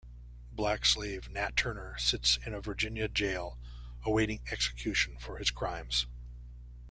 Black slave Nat Turner sits in a Virginia jail awaiting execution for his crimes.